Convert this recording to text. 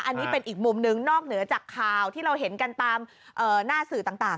อันนี้เป็นอีกมุมนึงนอกเหนือจากข่าวที่เราเห็นกันตามหน้าสื่อต่าง